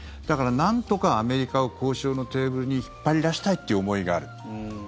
だから、なんとかアメリカを交渉のテーブルに引っ張り出したいという思いがある。